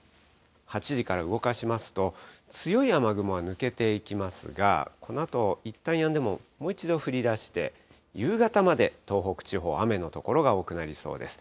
８時から動かしますと、強い雨雲は抜けていきますが、このあといったんやんでも、もう一度降りだして、夕方まで東北地方、雨の所が多くなりそうです。